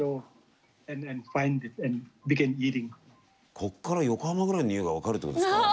こっから横浜ぐらいのにおいが分かるってことですか。